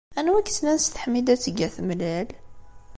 Anwa i yeslan s teḥmidat deg At Mlal!